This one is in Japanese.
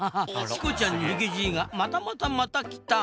「チコちゃん」にヒゲじいがまたまたまた来た！